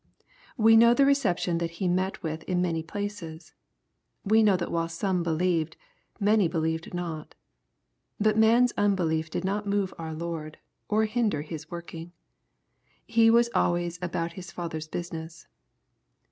We know the reception that He met with in many places. We know that while some believed, many believed not. But man^s unbelief did not move our Lord, or hinder His working. He was always "about His Father's business.